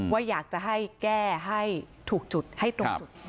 ว่าอยากจะให้แก้ให้ถูกจุดให้ตรงจุด